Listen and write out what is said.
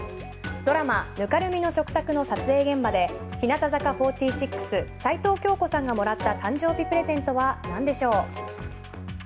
ドラマ「泥濘の食卓」の撮影現場で日向坂４６、齊藤京子さんがもらった誕生日プレゼントは何でしょう。